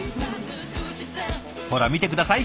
ほら見て下さい。